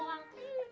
aduh ribet amat